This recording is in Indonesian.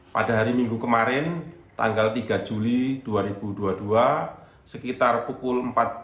pada hari minggu kemarin tanggal tiga juli dua ribu dua puluh dua sekitar pukul dua belas empat puluh lima